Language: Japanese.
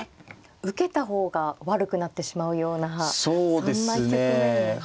受けた方が悪くなってしまうようなそんな局面ですか。